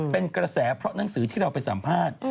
เป็นกระแสเพราะหนังสือที่เราไปสัมภาษณ์